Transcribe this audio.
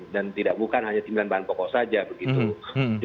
dan tidak bukan hanya sembilan bahan pokok saja begitu